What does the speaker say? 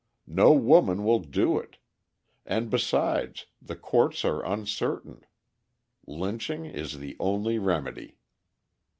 No woman will do it. And, besides, the courts are uncertain. Lynching is the only remedy."